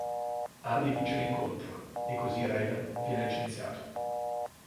Hardy vince l'incontro, e così Raven viene licenziato.